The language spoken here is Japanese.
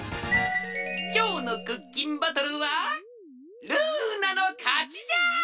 きょうのクッキンバトルはルーナのかちじゃ！